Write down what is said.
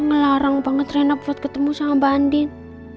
ngelarang banget renna buat ketemu sama banding